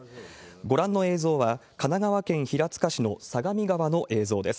ご覧の映像は、神奈川県平塚市の相模川の映像です。